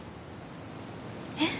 えっ？